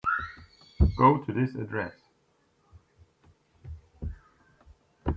Go to this address.